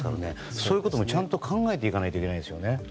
そういうこともちゃんと考えていかないといけないですね。